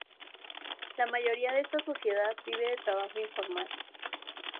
La mayoría de esta sociedad vive del trabajo informal.